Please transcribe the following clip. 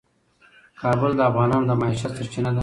کابل د افغانانو د معیشت سرچینه ده.